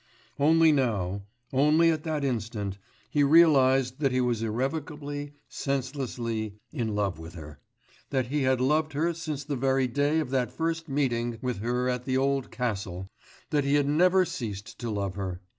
Only now, only at that instant, he realised that he was irrevocably, senselessly, in love with her, that he had loved her since the very day of that first meeting with her at the Old Castle, that he had never ceased to love her.